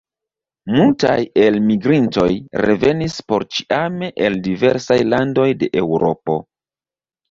Multaj elmigrintoj revenis porĉiame el diversaj landoj de Eŭropo.